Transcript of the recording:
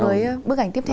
đến với bức ảnh tiếp theo